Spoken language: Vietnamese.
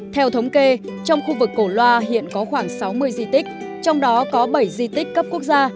theo thống kê trong khu vực cổ loa hiện có khoảng sáu mươi di tích trong đó có bảy di tích cấp quốc gia